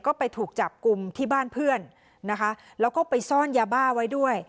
ก็ไปถูกจับกลุ่มที่บ้านเพื่อนนะคะแล้วก็ไปซ่อนยาบ้าไว้ด้วย